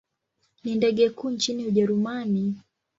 Ni ndege kuu nchini Ujerumani.